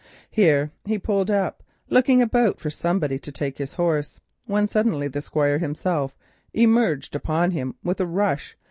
Here he pulled up, looking about for somebody to take his horse, when suddenly the Squire himself emerged upon him with a rush.